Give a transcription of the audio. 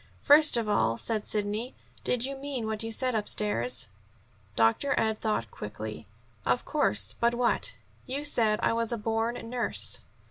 "First of all," said Sidney, "did you mean what you said upstairs?" Dr. Ed thought quickly. "Of course; but what?" "You said I was a born nurse."